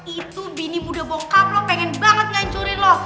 itu bini muda bongkar lo pengen banget ngancurin lo